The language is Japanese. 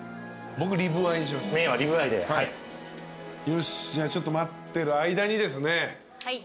よしじゃあちょっと待ってる間にですね